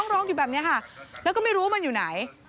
ร้องอยู่แบบนี้ค่ะแล้วก็ไม่รู้มันอยู่ไหน